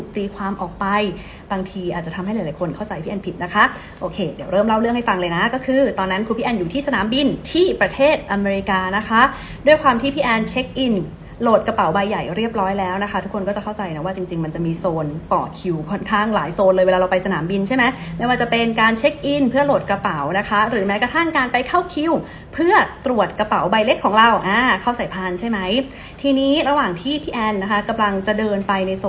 ตีความออกไปบางทีอาจจะทำให้หลายคนเข้าใจพี่แอนผิดนะคะโอเคเดี๋ยวเริ่มเล่าเรื่องให้ฟังเลยนะก็คือตอนนั้นครูพี่แอนอยู่ที่สนามบินที่ประเทศอเมริกานะคะด้วยความที่พี่แอนเช็คอินโหลดกระเป๋าใบใหญ่เรียบร้อยแล้วนะคะทุกคนก็จะเข้าใจนะว่าจริงมันจะมีโซนป่อคิวค่อนข้างหลายโซนเลยเวลาเราไปสนามบินใช่ไหมไม่ว่า